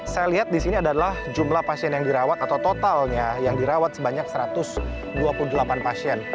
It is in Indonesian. saya lihat di sini adalah jumlah pasien yang dirawat atau totalnya yang dirawat sebanyak satu ratus dua puluh delapan pasien